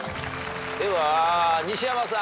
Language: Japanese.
では西山さん。